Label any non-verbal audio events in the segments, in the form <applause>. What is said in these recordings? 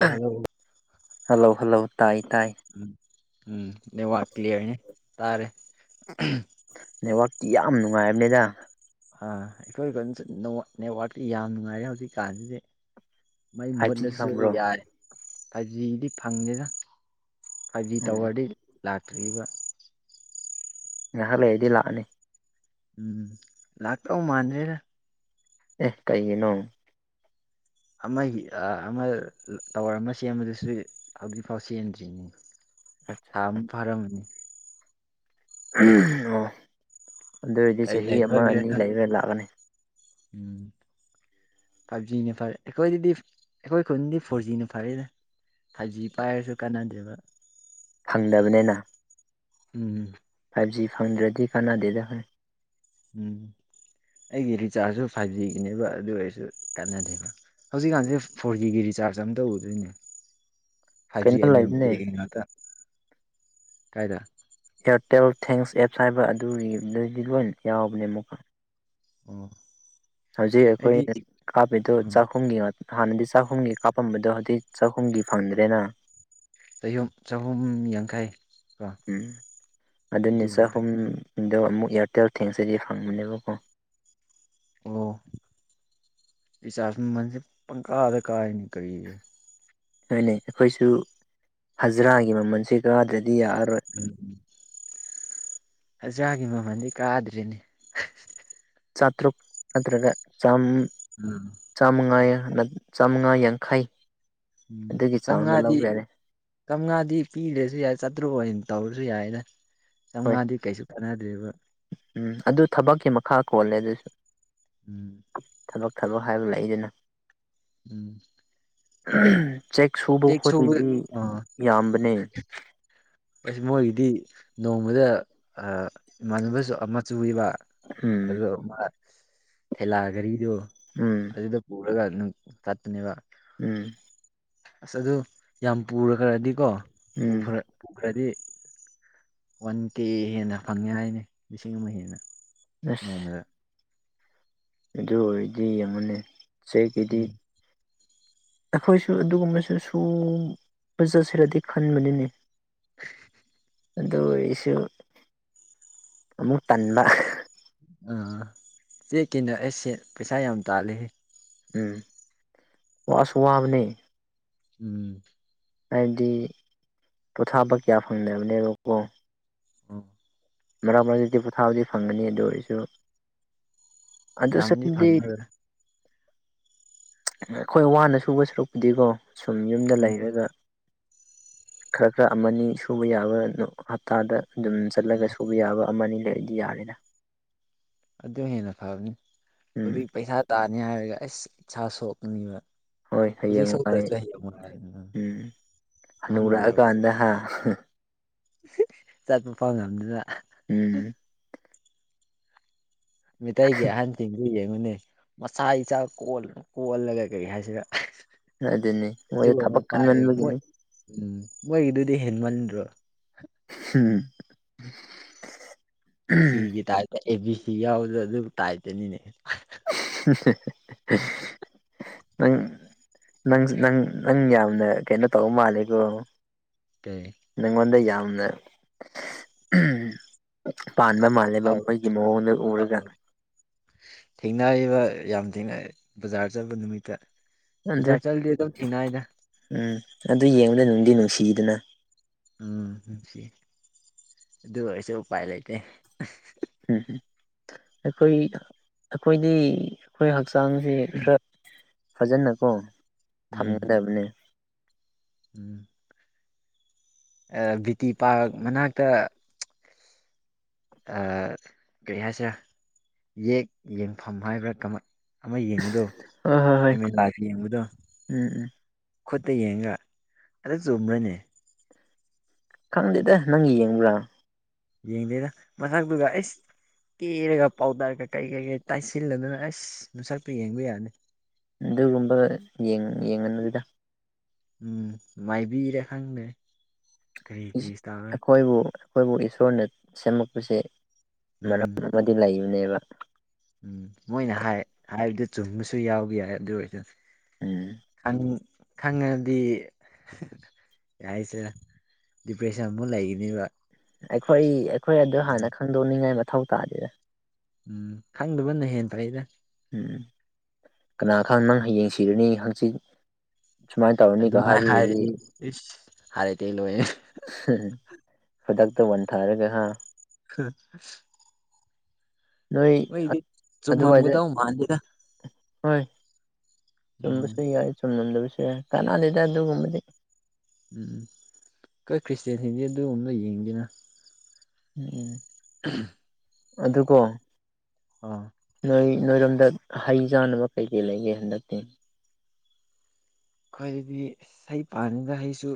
<unintelligible> hello hello ꯇꯥꯏ ꯇꯥꯏ ꯎꯝ network clear ꯅꯦ ꯇꯥꯔꯦ ꯅꯦꯠꯋꯥꯛꯇꯤ ꯌꯥꯝ ꯅꯨꯡꯉꯥꯏꯕꯅꯦꯗ ꯑꯥ ꯑꯈꯣꯏ ꯀꯟ ꯆ ꯅꯦ ꯅꯦꯠꯋꯔꯥꯛꯇꯤ ꯌꯥꯝ ꯅꯨꯡꯉꯥꯏꯔꯦ ꯍꯧꯖꯤꯛ ꯀꯥꯟꯖꯤꯗꯤ ꯃꯩ ꯐꯥꯏꯚ ꯖꯤ ꯃꯨꯠꯂꯁꯨ ꯐꯪꯕ꯭ꯔꯣ ꯌꯥꯏ ꯐꯥꯏꯚ ꯖꯤꯗꯤ ꯐꯪꯗꯦꯗ ꯐꯥꯏꯚ ꯖꯤ ꯎꯝ ꯇꯥꯋꯔꯗꯤ ꯂꯥꯛꯇ꯭ꯔꯤꯕ ꯉꯥꯏꯍꯥꯛ ꯂꯩꯔꯗꯤ ꯂꯥꯛꯑꯅꯤ ꯎꯝ ꯂꯥꯛꯇꯧ ꯃꯥꯟꯗ꯭ꯔꯦꯗ ꯑꯦ ꯀꯩꯒꯤꯅꯣ ꯑꯃꯒꯤ ꯑꯥ ꯑꯃ ꯇꯥꯋꯔ ꯑꯃ ꯁꯦꯝꯕꯗꯨꯁꯨ ꯍꯧꯖꯤꯛꯐꯥꯎ ꯁꯦꯝꯗ꯭ꯔꯤꯅꯤ ꯊꯥ ꯑꯃ ꯐꯥꯔꯝꯃꯅꯤ ꯑꯣ ꯑꯗꯨ ꯑꯣꯏꯗꯤ ꯀꯩ ꯆꯍꯤ ꯑꯃ ꯂꯩꯕꯒꯤꯔ ꯑꯅꯤ ꯈꯪ ꯂꯩꯔ ꯂꯥꯛꯑꯅꯤ ꯎꯝ ꯐꯥꯏꯚ ꯖꯤꯅ ꯐꯔꯦ ꯑꯈꯣꯏꯗꯗꯤ ꯑꯈꯣꯏ ꯈꯨꯟꯗꯤ ꯐꯣꯔꯖꯤꯅ ꯐꯔꯦꯗ ꯐꯥꯏꯚ ꯖꯤ ꯄꯥꯏꯔꯖꯨ ꯀꯥꯟꯅꯗꯦꯕ ꯐꯪꯗꯕꯅꯦꯅ ꯎꯝ ꯖꯤ ꯐꯪꯗ꯭ꯔꯗꯤ ꯀꯥꯟꯅꯗꯦꯗ ꯎꯝ ꯑꯩꯒꯤ ꯔꯤꯆꯥꯔꯖꯁꯨ ꯐꯥꯏꯚ ꯖꯤꯒꯤꯅꯦꯕ ꯑꯗꯨ ꯑꯣꯏꯔꯁꯨ ꯀꯥꯟꯅꯗꯦꯕ ꯍꯧꯖꯤꯛꯀꯥꯟꯁꯦ ꯐꯣꯔ ꯖꯤꯒꯤ ꯔꯤꯆꯥꯔꯖ ꯑꯃ ꯇꯧꯒꯗꯣꯏꯅꯦ ꯐꯥꯏꯐ ꯖꯤ ꯀꯩꯅꯣ ꯂꯩꯕꯅꯦ <unintelligible> ꯉꯥꯛꯇ ꯀꯥꯏꯗ ꯏꯌꯥꯔꯇꯦꯜ ꯊꯦꯡꯁ ꯑꯦꯞꯁ ꯍꯥꯏꯕ ꯑꯗꯨꯒꯤ ꯂꯣꯏ ꯌꯥꯎꯕꯅꯦ ꯑꯃꯨꯛꯀ ꯎꯝ ꯍꯧꯖꯤꯛ ꯑꯈꯣꯏꯅ ꯀꯥꯞꯄꯤꯗꯣ ꯎꯝ ꯆꯥꯛꯍꯨꯝꯒꯤ ꯍꯥꯟꯅꯗꯤ ꯆꯥꯛꯍꯨꯝꯒꯤ ꯀꯥꯞꯄꯝꯕꯗꯣ ꯍꯧꯖꯤꯛ ꯆꯥꯛꯍꯨꯝꯒꯤ ꯐꯪꯗ꯭ꯔꯦꯅ ꯆꯌꯨꯝ ꯆꯥꯍꯨꯝ ꯌꯥꯡꯈꯩ ꯀꯣ ꯎꯝ ꯑꯗꯨ ꯑꯗꯨꯅꯤ ꯉꯥꯛꯇꯅꯦꯕ ꯆꯥꯍꯨꯝꯗꯣ ꯑꯃꯨꯛ ꯏꯌꯥꯔꯇꯦꯜ ꯊꯤꯡꯁꯇꯗꯤ ꯐꯪꯕꯅꯦꯕꯀꯣ ꯑꯣ ꯔꯤꯆꯥꯔꯁꯀꯤ ꯃꯃꯜꯁꯦ ꯄꯪꯀꯥꯗ ꯀꯥꯥꯏꯅꯦ ꯀꯔꯤꯒꯤ ꯍꯣꯏꯅꯦ ꯑꯈꯣꯏꯁꯨ ꯍꯖꯤꯔꯥꯒꯤ ꯃꯃꯜꯁꯦ ꯀꯥꯗ꯭ꯔꯗꯤ ꯗꯤ ꯌꯥꯔꯔꯣꯏ ꯍꯖꯤꯔꯥꯒꯤ ꯃꯃꯜꯗꯤ ꯀꯥꯗ꯭ꯔꯤꯅꯦ ꯆꯥꯇ꯭ꯔꯨꯛ ꯅꯠꯇ꯭ꯔꯒ ꯎꯝ ꯆꯥꯝꯃꯉꯥ ꯆꯥꯝꯃꯉꯥ ꯌꯥꯡ ꯌꯥꯡꯈꯩ ꯎꯝ ꯑꯗꯨꯒꯤ ꯆꯥꯡꯗ ꯆꯥꯝꯉꯥꯗꯤ ꯂꯧꯕ ꯌꯥꯔꯦ ꯆꯝꯉꯥꯗꯤ ꯄꯤꯔꯁꯨ ꯌꯥꯏ ꯆꯥꯇ꯭ꯔꯨꯛ ꯑꯣꯏꯅ ꯇꯧꯔ ꯁꯨ ꯌꯥꯏꯗ ꯍꯣꯏ ꯆꯥꯝꯃꯉꯥꯗꯤ ꯀꯩꯁꯨ ꯀꯥꯟꯅꯗ꯭ꯔꯦꯕ ꯎꯝ ꯑꯗꯨ ꯊꯕꯛꯀꯤ ꯃꯈꯥ ꯄꯣꯜꯂꯦ ꯑꯗꯨꯗꯤ ꯎꯝ ꯊꯕꯛ ꯍꯥꯏꯕ ꯂꯩꯗꯅ ꯎꯝ <inaudible> ꯆꯦꯛ ꯁꯨꯕ ꯈꯣꯠꯄꯗꯤ ꯑꯥ ꯌꯥꯝꯕꯅꯦ ꯑꯁ ꯃꯣꯏꯒꯤꯗꯤ ꯅꯣꯡꯃꯗ ꯏꯃꯥꯟꯅꯕꯁꯨ ꯑꯃ ꯁꯨꯑꯦꯕ ꯎꯝ ꯑꯗꯣ ꯃꯥ ꯊꯦꯂꯥ ꯘꯔꯤꯗꯣ ꯎꯝ ꯑꯗꯨꯗ ꯄꯨꯔꯒ ꯆꯠꯄꯅꯦꯕ ꯎꯝ ꯑꯁ ꯑꯗꯨ ꯌꯥꯝ ꯄꯨꯔꯈ꯭ꯔꯗꯤ ꯀꯣ ꯎꯝ ꯄꯨꯈ꯭ꯔꯗꯤ ꯋꯥꯟ ꯀꯦ ꯍꯦꯟꯅ ꯐꯪꯉꯦ ꯍꯥꯏꯅꯧ ꯂꯤꯁꯤꯡ ꯑꯃ ꯍꯦꯟꯅ ꯑꯁ ꯅꯣꯡꯃꯗ ꯑꯗꯨ ꯑꯣꯏꯗꯤ ꯌꯦꯡꯎꯅꯦ ꯆꯦꯛꯀꯤꯗꯤ ꯎꯝ ꯑꯈꯣꯏꯁꯨ ꯑꯗꯨꯒꯨꯝꯕꯁꯨ ꯁꯨꯕ ꯆꯠꯁꯤꯔꯗꯤ ꯈꯟꯕꯅꯤꯅꯦ <inaudible> ꯑꯗꯨ ꯑꯣꯏꯁꯨ ꯑꯃꯨꯛ ꯇꯟꯕ ꯑꯥ ꯆꯦꯛꯀꯤꯅ ꯑꯩꯁꯦ ꯄꯩꯁꯥ ꯌꯥꯝ ꯇꯥꯂꯦ ꯎꯝ ꯋꯥꯁꯨ ꯋꯥꯕꯅꯦ ꯎꯝ ꯍꯥꯏꯕꯗꯤ ꯄꯣꯊꯥꯕ ꯀꯌꯥ ꯐꯪꯗꯕꯅꯦꯕꯀꯣ ꯎꯝ ꯃꯔꯛ ꯃꯔꯛꯇꯗꯤ ꯄꯣꯊꯥꯗꯤ ꯐꯪꯒꯅꯤ ꯑꯗꯨ ꯑꯣꯏꯔꯁꯨ ꯑꯗꯨ ꯌꯥꯝꯗꯤ ꯁꯥꯔꯨꯛꯄꯨꯗꯤ ꯐꯪꯉꯔꯣꯏ ꯑꯈꯣꯏ ꯋꯥꯅ ꯁꯨꯕ ꯁꯔꯨꯛꯄꯨꯗꯤꯀꯣ ꯁꯨꯝ ꯌꯨꯝꯗ ꯎꯝ ꯂꯩꯔꯒ ꯈꯔ ꯈꯔ ꯑꯃꯅꯤ ꯁꯨꯕ ꯌꯥꯕ ꯍꯞꯇꯥꯗ ꯑꯗꯨꯝ ꯎꯝ ꯆꯠꯂꯒ ꯁꯨ ꯑꯃꯅꯤ ꯂꯩꯗꯤ ꯌꯥꯔꯦꯗ ꯑꯗꯨ ꯍꯦꯟꯅ ꯐꯕꯅꯤ ꯎꯝ ꯑꯗꯨꯏ ꯄꯩꯁꯥ ꯇꯥꯅꯤ ꯍꯥꯏꯔꯒ ꯑꯁ ꯏꯁꯥ ꯁꯣꯛꯀꯅꯤꯕ ꯍꯣꯏ ꯍꯧꯖꯤꯛ ꯍꯌꯦꯡꯋꯥꯢ ꯁꯣꯛꯇ꯭ꯔꯁꯨ ꯍꯌꯦꯡ ꯋꯥꯏ ꯎꯝ ꯑꯍꯟ ꯍꯅꯨꯔꯛ ꯑ ꯑꯣꯏꯔꯛꯄ ꯀꯥꯟꯗ ꯍꯥ ꯆꯠꯄ ꯐꯥꯎ ꯉꯝꯗꯅ ꯎꯝ ꯃꯤꯇꯩꯒꯤ ꯑꯍꯟꯁꯤꯡꯗꯤ ꯌꯦꯡꯉꯨꯅꯦ ꯃꯁꯥ ꯏꯆꯥ ꯀꯣꯜ ꯀꯣꯜꯂꯒ ꯀꯔꯤ ꯍꯥꯏꯁꯤꯔ ꯑꯗꯨꯅꯤ ꯆꯩꯁꯨ ꯃꯣꯏꯗꯣ ꯑꯃ ꯊꯕꯛ ꯄꯥꯏ ꯃꯣꯏ ꯀꯟꯃꯟꯕꯒꯤꯅꯤ ꯎꯝ ꯃꯣꯏꯒꯤꯗꯨꯗꯤ ꯍꯦꯟꯃꯟ ꯑꯗꯨ ꯍꯨꯝ ꯁꯤꯒꯤ ꯇꯥꯏꯞꯇ ꯑꯦ ꯕꯤ ꯁꯤ ꯌꯥꯎꯕꯗꯨ ꯑꯗꯨꯏ ꯇꯥꯏꯞꯇꯅꯤꯅꯦ ꯅꯪ ꯅꯪ ꯅꯪ ꯅꯪ ꯌꯥꯝꯅ ꯀꯩꯅꯣ ꯇꯧꯕ ꯃꯥꯜꯂꯦꯀꯣ ꯀꯩ ꯅꯪꯉꯣꯟꯗ ꯌꯥꯝꯅ ꯄꯥꯟꯕ ꯃꯥꯜꯂꯦꯕ ꯑꯧ ꯃꯣꯏꯒꯤ ꯃꯑꯣꯡꯗ ꯎꯔꯒ ꯑꯧ ꯊꯦꯡꯅꯔꯤꯕ ꯌꯥꯝ ꯊꯦꯡꯅ ꯕꯖꯥꯔ ꯆꯠꯂꯨ ꯅꯨꯃꯤꯠꯇ ꯕꯖꯥꯔ ꯆꯠꯂꯗꯤ ꯑꯗꯨꯝ ꯊꯦꯡꯅꯩꯗ ꯎꯝ ꯑꯗꯨ ꯌꯦꯡꯕꯗ ꯅꯨꯡꯗꯤ ꯅꯨꯡꯁꯤꯗꯅ ꯎꯝ ꯅꯨꯡꯁꯤ ꯑꯗꯨ ꯑꯣꯏꯔꯁꯨ ꯎꯄꯥꯏ ꯂꯩꯇꯦ ꯎꯝ ꯑꯈꯣꯏ ꯑꯈꯣꯏꯗꯤ ꯑꯈꯣꯏ ꯍꯛꯆꯥꯡꯁꯦ ꯈꯔ ꯐꯖꯅꯀꯣ ꯎꯝ ꯊꯝꯒꯗꯕꯅꯤ ꯎꯝ ꯑꯥ ꯕꯤ ꯇꯤ ꯄꯥꯔꯛ ꯃꯅꯥꯛꯇ ꯑꯥ ꯀꯔꯤ ꯍꯥꯏꯁꯤꯔꯥ ꯌꯦꯛ ꯌꯦꯡꯐꯝ ꯍꯥꯏꯕ꯭ꯔꯥ ꯀꯃꯥꯏ ꯑꯃ ꯌꯦꯡꯕꯗꯣ ꯍꯣꯏ ꯍꯣꯏ ꯍꯣꯏ ꯑꯦꯝ ꯏꯤꯟ ꯂꯥꯏꯐ ꯌꯦꯡꯕꯗꯣ ꯎꯝ ꯎꯝ ꯈꯨꯠꯇ ꯌꯦꯡꯒ ꯑꯗ ꯆꯨꯝꯕ꯭ꯔꯅꯦ ꯈꯪꯗꯦꯗ ꯅꯪ ꯌꯦꯡꯕ꯭ꯔꯥ ꯌꯦꯡꯗꯦꯗ ꯃꯁꯛꯇꯨꯒ ꯑꯩꯁ ꯀꯦꯔꯒ ꯄꯥꯎꯗꯔ ꯀꯩ ꯀꯩ ꯀꯩ ꯀꯩ ꯇꯥꯏꯁꯤꯜꯂꯗꯅ ꯑꯁ ꯃꯁꯛꯇꯣ ꯌꯦꯡꯕ ꯌꯥꯅꯤ ꯑꯗꯨꯗ ꯎꯝ ꯃꯥꯏꯕꯤꯔ ꯈꯪꯗꯦ ꯀꯔꯤ ꯏꯁ ꯀꯔꯤ ꯇꯧꯔ ꯑꯈꯣꯏꯕꯨ ꯑꯈꯣꯏꯕꯨ ꯏꯁꯣꯔꯅ ꯁꯦꯝꯃꯛꯄꯁꯦ ꯃꯔꯝ ꯎꯝ ꯑꯃꯗꯤ ꯂꯩꯕꯅꯦꯕ ꯎꯝ ꯃꯣꯏꯅ ꯍꯥꯏ ꯍꯥꯏꯕꯗꯨ ꯆꯨꯝꯕꯁꯨ ꯌꯥꯎꯋꯤ ꯌꯥꯏ ꯑꯗꯨ ꯑꯣꯏꯔꯁꯨ ꯎꯝ ꯈꯪ ꯈꯪꯉꯗꯤ ꯌꯥꯏꯁꯦ ꯗꯤꯄ꯭ꯔꯦꯁꯟ ꯑꯃꯨꯛ ꯂꯩꯈꯤꯅꯤꯕ ꯑꯈꯣꯏ ꯑꯈꯣꯏ ꯑꯗꯨ ꯍꯥꯟꯅ ꯈꯪꯗꯣꯛꯅꯤꯡꯉꯥꯏ ꯃꯊꯧ ꯇꯥꯗꯦꯗ ꯎꯝ ꯈꯪꯗꯕꯅ ꯍꯦꯟ ꯐꯩꯗ ꯎꯝ ꯀꯅꯥ ꯈꯪ ꯅꯪ ꯍꯌꯦꯡ ꯁꯤꯔꯅꯤ ꯍꯪꯆꯤꯠ ꯁꯨꯃꯥꯏꯅ ꯇꯧꯔꯅꯤꯒ ꯑꯗꯨꯃꯥꯏꯅ ꯍꯥꯏꯕꯒꯤꯗꯤ ꯍꯥꯏꯔꯗꯤ ꯏꯁ ꯍꯥꯏꯔꯦꯗꯤ ꯂꯣꯏꯔ ꯈꯨꯗꯛꯇ ꯋꯥꯟ ꯊꯥꯔꯒ ꯍꯥ <inaudible> ꯅꯣꯏ ꯃꯣꯏꯗꯤ ꯑꯗꯨꯋꯥꯏꯗ ꯆꯨꯝꯃꯝꯒꯗꯧ ꯃꯥꯟꯗꯦꯗ ꯍꯣꯏ ꯎꯝ ꯆꯨꯝꯕꯁꯨ ꯌꯥꯏ ꯆꯨꯝꯂꯝꯗꯕꯁꯨ ꯌꯥꯏ ꯀꯥꯅꯗꯦꯗ ꯑꯗꯨꯒꯨꯝꯕꯗꯤ ꯎꯝ ꯑꯈꯣꯏ ꯈ꯭ꯔꯤꯁꯇꯤꯌꯦꯟꯁꯤꯡꯗꯤ ꯑꯗꯨꯒꯨꯕ ꯌꯦꯡꯗꯦꯅ ꯎꯝ ꯎꯝ <inaudible> ꯑꯗꯨꯀꯣ ꯑꯥ ꯅꯣꯏ ꯅꯣꯏꯔꯣꯝꯗ ꯍꯩ ꯆꯥꯅꯕ ꯀꯩ ꯀꯩ ꯂꯩꯒꯦ ꯍꯟꯗꯛꯇꯤ ꯈ꯭ꯋꯥꯏꯒꯤꯗꯤ ꯍꯩ ꯄꯥꯜꯂꯤꯗ ꯍꯩꯁꯨ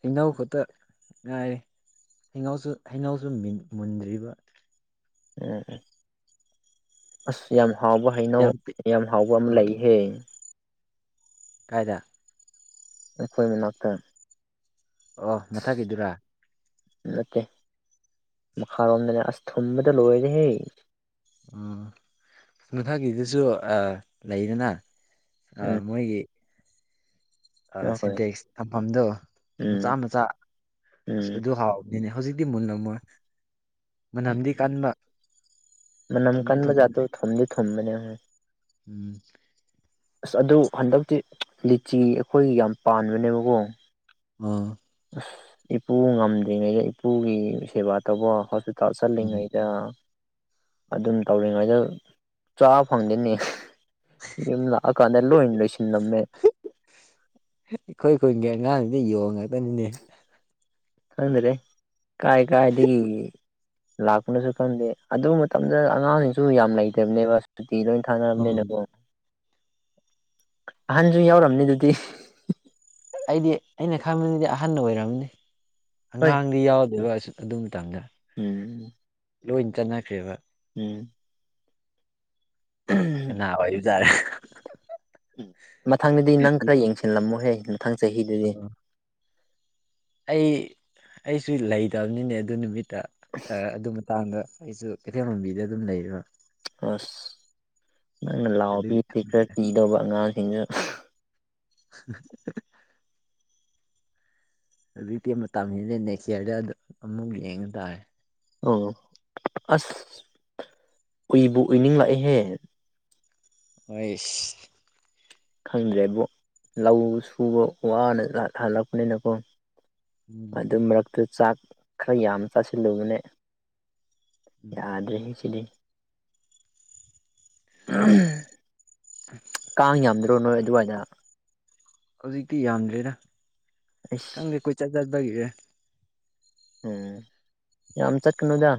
ꯍꯩꯅꯧ ꯈꯛꯇ ꯉꯥꯏꯔꯦ ꯍꯩꯅꯧꯁꯨ ꯍꯩꯅꯧꯁꯨ ꯃꯨꯟꯗ꯭ꯔꯤꯕ ꯎꯝ ꯎꯝ ꯑꯁ ꯌꯥꯝ ꯎꯕ ꯍꯩꯅꯧ ꯌꯥꯝ ꯍꯥꯎꯕ ꯑꯃ ꯑꯥ ꯂꯩꯍꯦ ꯀꯥꯏꯗ ꯑꯈꯣꯏ ꯃꯅꯥꯛꯇ ꯑꯣ ꯃꯊꯛꯀꯤꯗꯨꯔ ꯅꯠꯇꯦ ꯃꯈꯥꯔꯣꯝꯗꯅꯦ ꯑꯁ ꯊꯨꯝꯕꯗ ꯂꯣꯏꯔꯦꯍꯦ ꯎꯝ ꯃꯊꯛꯀꯤꯗꯨꯁꯨ ꯑꯥ ꯂꯩꯗꯅ ꯎꯝ ꯑꯥꯃꯣꯏꯒꯤ ꯑꯥ ꯑꯍꯣꯏ ꯁꯦꯟꯇꯦꯛꯁ ꯊꯝꯐꯝꯗꯣ ꯎꯝ ꯃꯆꯥ ꯃꯆꯥ ꯎꯝ ꯑꯁ ꯑꯗꯨ ꯍꯥꯎ ꯅꯦ ꯍꯧꯖꯤꯛꯇꯤ ꯃꯨꯂꯝꯃꯣꯏ ꯃꯅꯝꯗꯤ ꯀꯟꯕ ꯃꯅꯝ ꯊꯨꯝꯗꯤ ꯀꯥꯟꯕꯖꯥꯠꯗꯣ ꯊꯨꯝꯕꯅꯦ ꯊꯨꯝꯗꯤ ꯊꯨꯝꯕꯅꯦꯍꯦ ꯎꯝ ꯑꯁ ꯑꯗꯨ ꯍꯟꯗꯛꯇꯤ ꯂꯤꯆꯤ ꯑꯈꯣꯏꯒꯤ ꯌꯥꯝ ꯄꯥꯟꯕꯅꯦꯕꯀꯣ ꯎꯝ ꯏꯄꯨ ꯉꯝꯗ꯭ꯔꯤꯉꯩ ꯏꯄꯨꯒꯤ ꯁꯦꯕꯥ ꯇꯧꯕ ꯍꯣꯁꯄꯤꯇꯥꯜ ꯎꯝ ꯆꯠꯂꯤꯉꯩꯗ ꯑꯗꯨꯝ ꯇꯧꯔꯤꯉꯩꯗ ꯆꯥꯕ ꯐꯪꯗꯦꯅꯦ ꯌꯨꯝ ꯂꯥꯛꯑꯀꯥꯟꯗ ꯂꯣꯏ ꯂꯣꯏꯁꯤ ꯑꯈꯣꯏ ꯈꯨꯨꯟꯒꯤ ꯑꯉꯥꯡꯗꯨꯗꯤ ꯌꯣꯡ ꯉꯥꯛꯇꯅꯤꯅꯦ ꯈꯪꯗ꯭ꯔꯦ ꯀꯥꯏ ꯀꯥꯏꯗꯒꯤ ꯂꯥꯛꯄꯅꯁꯨ ꯈꯪꯗꯦ ꯑꯗꯨ ꯃꯇꯝꯗ ꯑꯉꯥꯡꯁꯤꯡꯁꯨ ꯌꯥꯝ ꯂꯩꯇꯕꯅꯦꯕ ꯁꯨꯇꯤ ꯂꯣꯏ ꯎꯝ ꯊꯥꯅꯕꯅꯤꯅꯀꯣ ꯑꯍꯟꯁꯨ ꯌꯥꯎꯔꯝꯅꯤ ꯑꯗꯨꯗꯤ ꯑꯩꯗꯤ ꯑꯩꯅ ꯈꯪꯕꯗꯤ ꯑꯍꯟꯅ ꯑꯣꯏꯔꯝꯅꯤ ꯍꯣꯏ ꯑꯉꯥꯡꯗꯤ ꯌꯥꯎꯗꯣꯏꯕ ꯑꯗꯨꯏ ꯃꯇꯝꯗ ꯎꯝ ꯂꯣꯏ ꯆꯠꯅꯈ꯭ꯔꯦꯕ ꯎꯝ ꯀꯅꯥ ꯑꯣꯏꯔꯤꯖꯥꯠꯂ ꯃꯊꯪꯗꯗꯤ ꯅꯪ ꯈꯔ ꯌꯦꯡꯁꯤꯜꯂꯝꯃꯣꯍꯦ ꯃꯊꯪ ꯆꯍꯤꯗꯗꯤ ꯑꯩ ꯑꯩꯁꯨ ꯂꯩꯇꯕꯅꯤꯅꯦ ꯑꯗꯨ ꯅꯨꯃꯤꯠꯇ ꯑꯗꯨ ꯃꯇꯥꯡꯗ ꯑꯩꯁꯨ ꯀꯩꯊꯦꯜꯃꯥꯟꯕꯤꯗ ꯑꯗꯨꯝ ꯂꯩꯔꯤꯕ ꯑꯁ ꯅꯪꯅ ꯂꯥꯎ ꯑꯗꯨꯒꯤ ꯄꯤꯔꯗꯤ ꯈꯔ ꯈꯪꯗ꯭ꯔꯦ ꯀꯤꯗꯧꯕ ꯑꯉꯥꯡꯁꯤꯡꯁꯨ <inaudible> ꯍꯧꯖꯤꯛꯇꯤ ꯃꯇꯝ ꯍꯦꯂꯦ ꯅꯦꯛ꯭ꯁ ꯌꯔꯗ ꯑꯃꯨꯛ ꯌꯦꯡ ꯇꯥꯔꯦ ꯑꯧ ꯑꯁ ꯎꯏꯕꯨ ꯎꯏꯅꯤꯡ ꯂꯥꯛꯑꯦꯍꯦ ꯑꯩꯁ ꯈꯪꯗ꯭ꯔꯦꯕꯣ ꯂꯧ ꯁꯨꯕ ꯋꯥꯅ ꯍꯜꯂꯛꯄꯅꯤꯅꯀꯣ ꯎꯝ ꯑꯗꯨ ꯃꯔꯛꯇꯨ ꯆꯥꯛ ꯈꯔ ꯌꯥꯝ ꯆꯥꯁꯤꯜꯂꯨꯕꯅꯦ ꯎꯝ ꯌꯥꯗ꯭ꯔꯦ ꯍꯦ ꯁꯤꯗꯤ ꯀꯥꯡ ꯌꯥꯝꯗ꯭ꯔꯣ ꯅꯣꯏ ꯑꯗꯨꯋꯥꯥꯏꯗ ꯍꯧꯖꯤꯛꯇꯤ ꯌꯥꯝꯗ꯭ꯔꯦꯗ ꯑꯩꯁ ꯈꯪꯗꯦ ꯀꯣꯏꯆꯠ ꯆꯠꯄꯒꯤꯔ ꯎꯝ ꯌꯥꯝ ꯆꯠꯀꯅꯨꯗ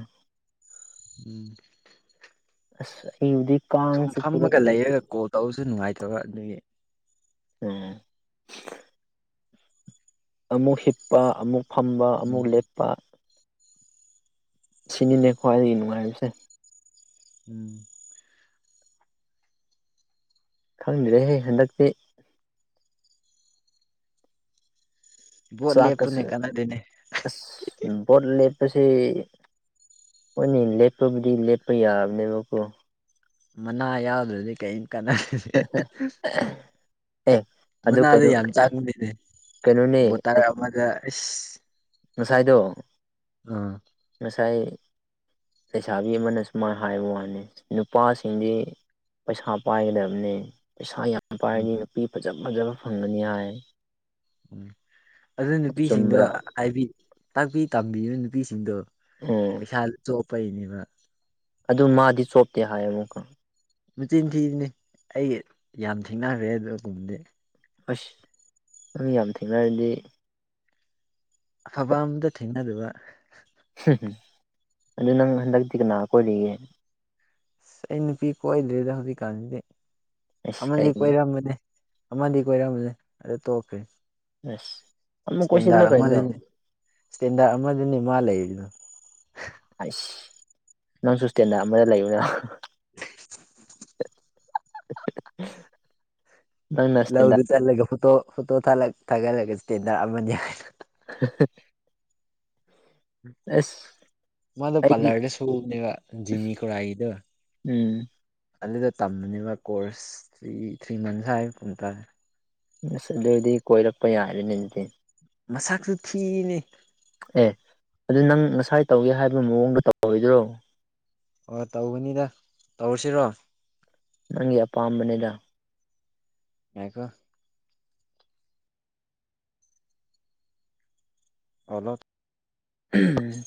ꯎꯝ ꯑꯁ ꯑꯩꯗꯤ ꯁꯨꯝ ꯐꯝꯃꯒ ꯂꯩꯔꯒ ꯀꯣꯜ ꯇꯧꯔꯁꯨ ꯅꯨꯡꯉꯥꯏꯇꯕ ꯑꯗꯨꯒꯤ ꯎꯝ ꯑꯃꯨꯛ ꯍꯤꯞꯄ ꯑꯃꯨꯛ ꯐꯝꯕ ꯎꯝ ꯑꯃꯨꯛ ꯂꯦꯞꯄ ꯁꯤꯅꯤꯅꯦ ꯈ꯭ꯋꯥꯏꯗꯒꯤ ꯅꯨꯡꯉꯥꯏꯕꯁꯦ ꯎꯝ ꯈꯪꯗ꯭ꯔꯦꯍꯦ ꯍꯟꯗꯛꯇꯤ ꯚꯣꯠ ꯆꯥꯛ ꯂꯦꯞꯄꯨꯅꯦ ꯀꯁꯦ ꯀꯥꯟꯅꯗꯦꯅꯦ ꯑꯁ ꯚꯣꯠꯂꯦꯞ ꯑꯁꯤ ꯈꯣꯏꯅꯦ ꯂꯦꯞꯄꯕꯨꯗꯤ ꯂꯦꯞꯄ ꯌꯥꯕꯅꯦꯕꯀꯣ ꯃꯅꯥ ꯌꯥꯎꯗ꯭ꯔꯗꯤ ꯀꯩꯝ ꯀꯥꯟꯅꯗꯦ ꯑꯦ ꯑꯗꯨ ꯃꯅꯥꯗ ꯀꯩꯅꯣ ꯌꯥꯝ ꯆꯥꯡꯕꯅꯤꯅꯦ ꯀꯩꯅꯣꯅꯦ ꯕꯣꯇꯔ ꯑꯃꯗ ꯑꯁ ꯉꯁꯥꯏꯗꯣ ꯑꯥ ꯉꯁꯥꯏ ꯂꯩꯁꯥꯕꯤ ꯑꯃꯅ ꯁꯨꯃꯥꯏꯅ ꯍꯥꯏꯕ ꯋꯥꯅꯤ ꯅꯨꯄꯥꯁꯤꯡꯗꯤ ꯄꯩꯁꯥ ꯄꯥꯏꯒꯗꯕꯅꯤ ꯄꯩꯁꯥ ꯌꯥꯝ ꯎꯝ ꯄꯥꯏꯔꯗꯤ ꯅꯨꯄꯤ ꯐꯖ ꯐꯖꯕ ꯐꯪꯒꯅꯤ ꯍꯥꯏ ꯎꯝ ꯑꯗꯨ ꯅꯨꯄꯤꯁꯤꯡꯗꯣ ꯆꯨꯝꯕ꯭ꯔꯥ ꯍꯥꯏꯕꯤ ꯇꯥꯛꯄꯤ ꯇꯝꯕꯤꯕ ꯅꯨꯄꯤꯁꯤꯡꯗꯣ ꯎꯝ ꯄꯩꯁꯥ ꯆꯣꯞꯄꯩꯅꯦꯕ ꯑꯗꯨ ꯃꯥꯗꯤ ꯆꯣꯞꯇꯦ ꯍꯥꯏꯌꯦ ꯑꯃꯨꯛꯀ ꯃꯆꯤꯟ ꯊꯤꯔꯤꯅꯤ ꯑꯩ ꯌꯥꯝ ꯊꯦꯡꯅꯈ꯭ꯔꯦ ꯑꯗꯨꯒꯨꯝꯗꯤ ꯑꯁ ꯅꯪ ꯌꯥꯝ ꯊꯦꯡꯅꯔꯗꯤ ꯑꯐꯕ ꯑꯝꯇ ꯊꯦꯡꯅꯗꯕ ꯎꯝ ꯑꯗꯨ ꯅꯪ ꯍꯟꯗꯛꯇꯤ ꯀꯅꯥ ꯀꯣꯏꯔꯤꯒꯦ ꯑꯁ ꯑꯩ ꯅꯨꯄꯤ ꯀꯣꯏꯗ꯭ꯔꯦꯗ ꯍꯧꯖꯤꯛꯀꯥꯟꯁꯤꯗꯤ ꯑꯁ ꯑꯃꯗꯤ ꯀꯩꯒꯤ ꯀꯣꯏꯔꯝꯕꯅꯦ ꯑꯃꯗꯤ ꯀꯣꯏꯔꯝꯕꯅꯦ ꯑꯗꯨ ꯇꯣꯛꯈ꯭ꯔꯦ ꯑꯁ ꯑꯃꯨꯛ ꯀꯣꯏꯁꯤꯜꯂꯣ ꯀꯩꯅꯣ ꯁ꯭ꯇꯦꯟꯗ꯭ꯔꯗ ꯑꯃꯗꯅꯤ ꯃꯥ ꯂꯩꯔꯤꯗꯣ ꯑꯩꯁ ꯅꯪꯁꯨ ꯁ꯭ꯇꯦꯟꯗꯔ ꯑꯃꯗ ꯂꯩꯌꯨꯅ <unintelligible> <inaudible> ꯂꯧꯗꯨ ꯏꯁꯇꯦꯟꯗꯔ ꯆꯠꯂꯒ ꯐꯣꯇꯣ ꯐꯣꯇꯣ ꯊꯥꯒꯠ ꯊꯥꯒꯠꯂꯒ ꯁ꯭ꯇꯦꯟꯗ꯭ꯔꯗ ꯑꯃꯅꯤ ꯍꯥꯏꯌꯣ <unintelligible> ꯑꯁ ꯃꯥꯗꯣ ꯑꯩꯗꯤ ꯄꯥꯂꯔꯗ ꯁꯨꯕꯅꯦꯕ ꯖꯦꯅꯤ ꯈꯨꯔꯥꯏ ꯒꯤꯗꯣ ꯎꯝ ꯑꯗꯨꯗ ꯇꯝꯕꯅꯦꯕ ꯀꯣꯔꯁ ꯊ꯭ꯔꯤ ꯊ꯭ꯔꯤ ꯃꯟꯁ ꯍꯥꯏ ꯀꯨꯝꯇꯥꯔꯦ ꯑꯁ ꯑꯗꯨꯑꯣꯏꯗꯤ ꯀꯣꯏꯔꯛꯄ ꯌꯥꯔꯦꯅꯦ ꯑꯗꯨꯗꯤ ꯃꯁꯛꯁꯨ ꯊꯤꯌꯦꯅꯦ ꯑꯦ ꯑꯗꯨ ꯅꯪ ꯉꯁꯥꯏ ꯇꯧꯒꯦ ꯍꯥꯏꯕ ꯃꯑꯣꯡꯗ ꯇꯧꯔꯣꯏꯗ꯭ꯔꯣ ꯑꯣ ꯇꯧꯒꯅꯤꯗ ꯇꯧꯔꯁꯤꯔꯣ ꯅꯪꯒꯤ ꯑꯄꯥꯝꯕꯅꯤꯗ ꯉꯥꯏꯈꯣ <unintelligible>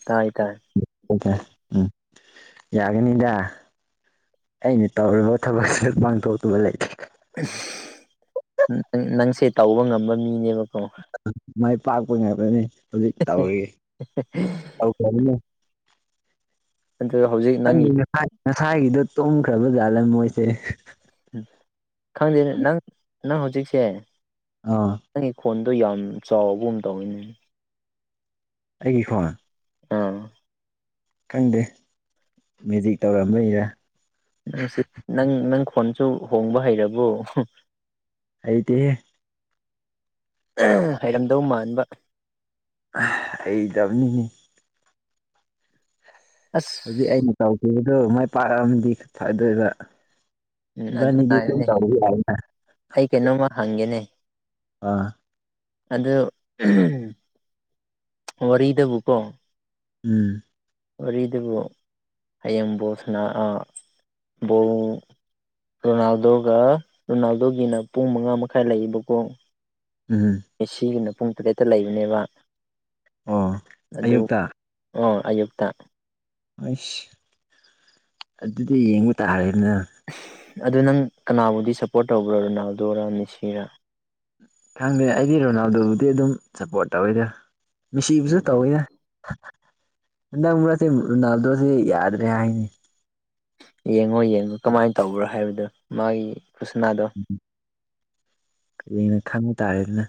ꯇꯥꯏ ꯇꯥꯏ <unintelligible> ꯎꯝ ꯌꯥꯒꯦꯅꯤꯗ ꯑꯩꯅ ꯇꯧꯔꯤꯕ ꯊꯕꯛꯁꯤꯗ ꯄꯥꯡꯊꯣꯛꯇꯕ ꯂꯩꯇꯦ ꯅꯪꯁꯦ ꯇꯧꯕ ꯉꯝꯕ ꯃꯤꯅꯦꯕ ꯃꯥꯏ ꯄꯥꯛꯄ ꯉꯥꯛꯇꯅꯤ ꯍꯧꯖꯤꯛ ꯇꯧꯔꯤ ꯇꯧꯈꯤꯅꯤ ꯑꯗꯨ ꯍꯧꯖꯤꯛ ꯅꯪꯒꯤ ꯈꯪꯗꯦ ꯉꯁꯥꯏ ꯉꯁꯥꯏꯒꯤꯗꯣ ꯇꯨꯝꯈ꯭ꯔꯕ ꯖꯥꯠꯂ ꯃꯣꯏꯁꯦ ꯈꯪꯗꯦ ꯅꯪ ꯅꯪ ꯍꯧꯖꯤꯛꯁꯦ ꯑꯥ ꯅꯪꯒꯤ ꯈꯣꯟ ꯑꯗꯨ ꯌꯥꯝ ꯆꯥꯎꯕꯒꯨꯝ ꯇꯧꯏꯅꯦ ꯑꯩꯒꯤ ꯈꯣꯟ ꯑꯥ ꯈꯪꯗꯦ ꯃꯦꯖꯤꯛ ꯇꯧꯔꯝꯕꯩꯔ ꯅꯪꯁꯤ ꯅꯪ ꯅꯪ ꯈꯣꯟꯁꯨ ꯍꯣꯡꯕ ꯍꯩꯔꯕꯣ ꯍꯩꯇꯦꯍꯦ ꯑꯍꯝ ꯍꯩꯔꯝꯗꯧ ꯃꯥꯟꯕ ꯍꯩꯇꯕꯅꯤꯅꯦ ꯑꯁ ꯍꯧꯖꯤꯛ ꯑꯩꯅ ꯇꯧꯈꯤꯕꯗꯣ ꯃꯥꯏ ꯄꯥꯛꯔꯛꯑꯝꯗꯤ ꯐꯗꯣꯏꯕ ꯎꯝ ꯑꯗꯨ ꯏꯕꯅꯤꯗꯤ ꯗꯨꯝ ꯉꯥꯏꯔꯅꯦ ꯇꯧꯕ ꯌꯥꯏꯅ ꯑꯩ ꯀꯩꯅꯣꯝꯃ ꯍꯪꯒꯦꯅꯦ ꯑꯥ ꯑꯗꯨ ꯎꯝ ꯋꯥꯔꯤꯗꯕꯨꯀꯣ ꯎꯝ ꯋꯥꯔꯤꯗꯨꯕꯨ ꯍꯌꯦꯡ ꯕꯣꯜꯁꯅꯥ ꯑ ꯕꯣꯜ ꯔꯣꯅꯥꯜꯗꯣꯒ ꯔꯣꯅꯥꯜꯗꯣꯒꯤꯅ ꯄꯨꯡ ꯃꯉꯥ ꯃꯈꯥꯏ ꯂꯩꯏꯕꯀꯣ ꯎꯝ ꯃꯦꯁꯤꯒꯤꯅ ꯄꯨꯡ ꯇꯔꯦꯠꯇ ꯂꯩꯕꯅꯦꯕ ꯑꯣ ꯑꯗꯨ ꯑꯌꯨꯛꯇ ꯑꯣ ꯑꯌꯨꯛꯇ ꯑꯩꯁ ꯑꯗꯨꯗꯤ ꯌꯦꯡꯕ ꯇꯥꯔꯦꯅ ꯑꯗꯨ ꯅꯪ ꯀꯅꯥꯕꯨꯗꯤ ꯁꯞꯄꯣꯔꯠ ꯇꯧꯕ꯭ꯔꯣ ꯔꯣꯅꯥꯜꯗꯣꯔ ꯃꯤꯁꯤꯔ ꯈꯪꯗꯦ ꯑꯩꯗꯤ ꯔꯣꯅꯥꯜꯗꯣꯕꯨꯗꯤ ꯑꯗꯨꯝ ꯁꯞꯄꯣꯔꯠ ꯇꯧꯏꯗ ꯃꯦꯁꯤꯕꯨꯁꯨ ꯇꯧꯋꯤꯗ ꯍꯟꯗꯛ ꯃꯔꯛꯁꯤ ꯔꯣꯅꯥꯜ ꯗꯣꯗꯤ ꯌꯥꯗ꯭ꯔꯦ ꯍꯥꯏꯅꯦ ꯌꯦꯡꯉꯣ ꯌꯦꯡꯉꯣ ꯀꯃꯥꯏꯟ ꯇꯧꯕ꯭ꯔꯥ ꯍꯥꯏꯕꯗꯣ ꯃꯥꯒꯤ ꯈꯨꯁꯅꯥꯗꯣ ꯌꯦꯡꯉ ꯈꯪꯡ ꯇꯥꯔꯦꯗꯅ